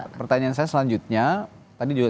nah pertanyaan saya selanjutnya tadi juga